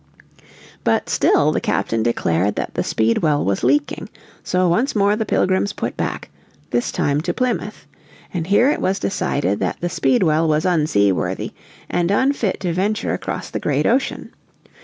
But still the captain declared that the Speedwell was leaking. So once more the pilgrims put back, this time to Plymouth. And here it was decided that the Speedwell was unseaworthy, and unfit to venture across the great ocean.